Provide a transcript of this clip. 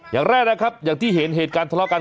อย่างแรกนะครับอย่างที่เห็นเหตุการณ์ทะเลาะกัน